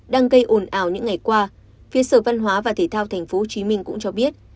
đang gây ồn ào những ngày qua phía sở văn hóa và thể thao tp hcm cũng cho biết